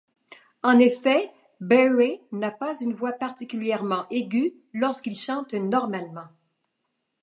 En effet, Barry n'a pas une voix particulièrement aigüe lorsqu'il chante normalement.